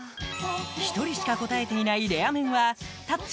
１人しか答えていないレア面は「タッチ」